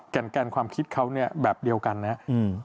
แก่นแกนความคิดเขาเนี่ยแบบเดียวกันเนี่ย